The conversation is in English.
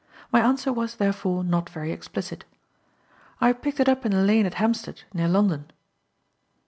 My answer was, therefore, not very explicit. "I picked it up in a lane at Hampstead, near London."